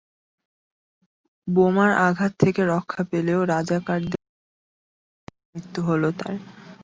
বোমার আঘাত থেকে রক্ষা পেলেও রাজাকারদের হাতে নির্মমভাবে মৃত্যু হলো তাঁর।